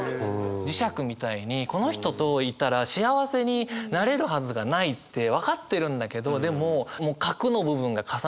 磁石みたいにこの人といたら幸せになれるはずがないって分かってるんだけどでももう核の部分が重なってしまっているから